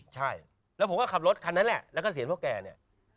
ใช่แล้วผมก็ขับรถคันนั้นแหละแล้วก็เสียงพวกแกเนี่ย